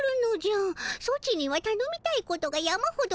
ソチにはたのみたいことが山ほどあるでの。